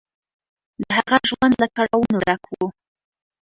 د هغه ژوند له کړاوونو ډک و.